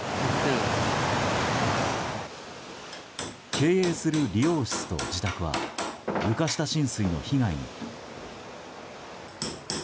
経営する理容室と自宅は床下浸水の被害に。